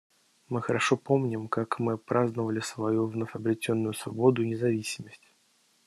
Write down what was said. Мы хорошо помним, как мы праздновали свою вновь обретенную свободу и независимость.